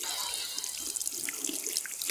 ایا تا کله هم د شپې له خوا مطالعه کړې؟